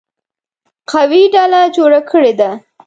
قوي ډله جوړه کړې ده.